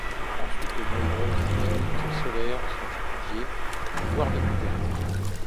Ensuite, de nombreuses dynamiques solaires sont étudiées, voire découvertes.